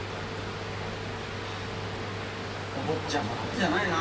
ハァお坊ちゃんも楽じゃないな。